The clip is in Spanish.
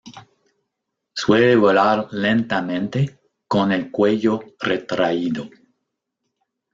Suele volar lentamente con el cuello retraído.